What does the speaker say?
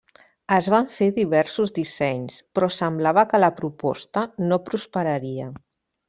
Es van fer diversos dissenys, però semblava que la proposta no prosperaria.